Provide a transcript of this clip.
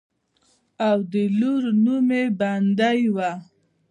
او د لور نوم يې بندۍ وۀ